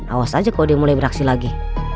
awas aja kalau dia mulai beraksi lagi